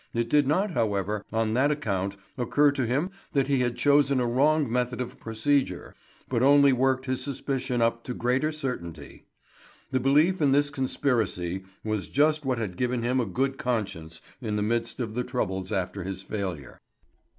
It did not, however, on that account occur to him that he had chosen a wrong method of procedure, but only worked his suspicion up to greater certainty. The belief in this conspiracy was just what had given him a good conscience in the midst of the troubles after his failure.